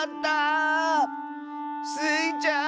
スイちゃん！